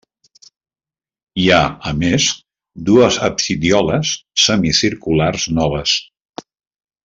Hi ha, a més, dues absidioles semicirculars noves.